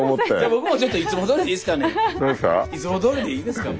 僕もちょっといつもどおりでいいっすかね？